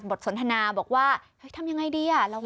บทสนทนาบอกว่าเฮ้ยทำอย่างไรดีเราต้อง